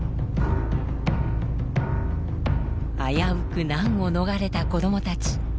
危うく難を逃れた子どもたち。